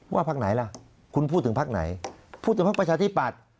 พักไหนล่ะคุณพูดถึงพักไหนพูดถึงพักประชาธิปัตย์